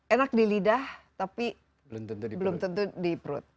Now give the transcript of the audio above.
enak di lidah tapi belum tentu di perut